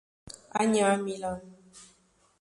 Á nyǎ mǐlá.